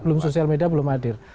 belum sosial media belum hadir